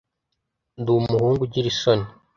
Ndi umuhungu ugira isoni.